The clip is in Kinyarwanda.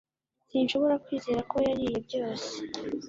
Sinshobora kwizera ko yariye byose